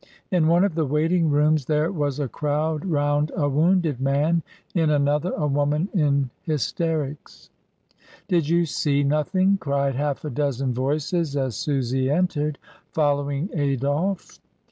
In one of the waiting rooms there was a crowd round a wounded man, in another a woman in hysterics. "Did you see nothing?" cried half a dozen voices as Susy entered, following Adolphe. AT THE TERMINUS.